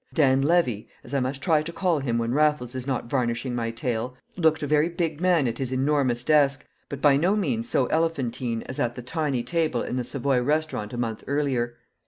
Dan Levy, as I must try to call him when Raffles is not varnishing my tale, looked a very big man at his enormous desk, but by no means so elephantine as at the tiny table in the Savoy Restaurant a month earlier.